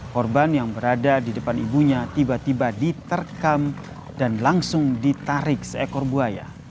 korban yang berada di depan ibunya tiba tiba diterkam dan langsung ditarik seekor buaya